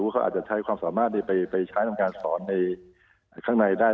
เขาอาจจะใช้ความสามารถไปใช้ทำการสอนในข้างในได้